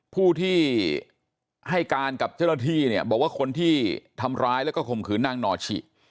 ผู้ที่ให้การกับเจ้าหน้าที่เนี่ยบอกว่าคนที่ทำร้ายแล้วก็ข่มขืนนางนอชิ